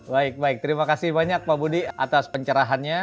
baik baik terima kasih banyak pak budi atas pencerahannya